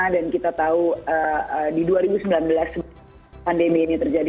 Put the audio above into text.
dan kita tahu di dua ribu sembilan belas pandemi ini terjadi